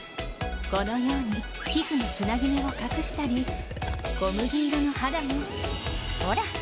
このように皮膚のつなぎ目を隠したり小麦色の肌もほら！